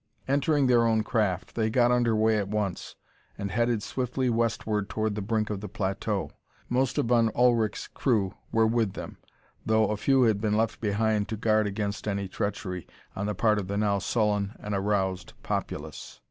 Entering their own craft, they got under way at once and headed swiftly westward toward the brink of the plateau. Most of Von Ullrich's crew were with them, though a few had been left behind to guard against any treachery, on the part of the now sullen and aroused populace.